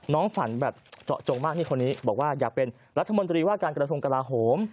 ฝันแบบเจาะจงมากนี่คนนี้บอกว่าอยากเป็นรัฐมนตรีว่าการกระทรวงกลาโหม